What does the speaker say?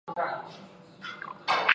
粒子可在水源溶解。